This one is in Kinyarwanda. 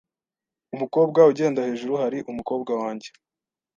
Umukobwa ugenda hejuru hari umukobwa wanjye.